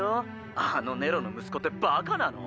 あのネロの息子ってバカなの？